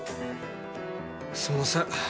すんません